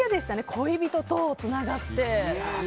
恋人とつながって。